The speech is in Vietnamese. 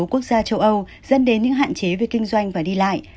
các quốc gia châu âu dân đến những hạn chế về kinh doanh và đi lại